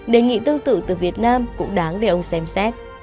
đề nghị tương tự từ việt nam cũng đáng để ông xem xét